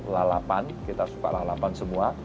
lalapan kita suka lalapan semua